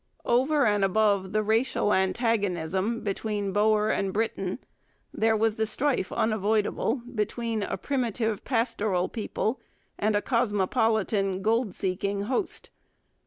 Over and above the racial antagonism between Boer and Briton there was the strife unavoidable between a primitive, pastoral people and a cosmopolitan, gold seeking host.